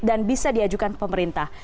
dan bisa diajukan ke pemerintah